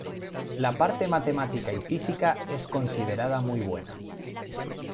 La parte matemática y física es considerada muy buena.